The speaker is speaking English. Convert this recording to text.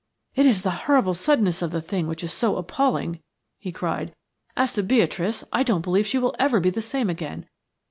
"It is the horrible suddenness of the thing which is so appalling," he cried. "As to Beatrice, I don't believe she will ever be the same again.